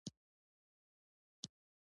د فراه پخوانی ښار پروفتاسیا نومېده